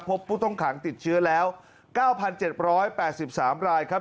พบพู่ตรงขางติดเชื้อแล้ว๙๗๘๓รายครับ